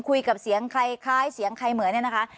คุยกับเสียงใครคล้ายเสียงใครเหมือนเนี่ยนะคะ